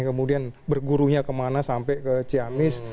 kemudian bergurunya kemana sampai ke ciamis